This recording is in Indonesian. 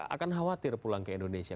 akan khawatir pulang ke indonesia